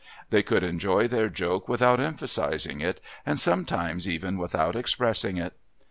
They could enjoy their joke without emphasising it and sometimes even without expressing it.